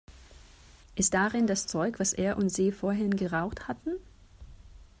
Ist darin das Zeug, was er und sie vorhin geraucht hatten?